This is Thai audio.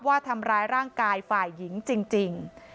ว่าทำร้ายร่างกายฝ่ายหญิงจริง